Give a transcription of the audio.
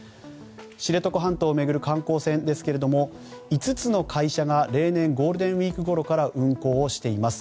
知床半島を巡る観光船ですが５つの会社が例年ゴールデンウィークごろから運航しています。